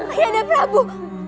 ayah anda prabu